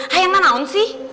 kayaknya ga ada sih